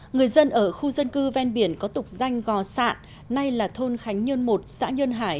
người dân ở khu dân cư ven biển có tục danh gò sạn nay là thôn khánh nhơn một xã nhơn hải